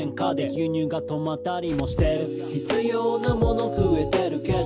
「輸入が止まったりもしてる」「必要なもの増えてるけど」